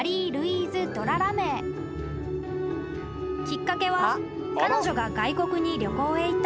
［きっかけは彼女が］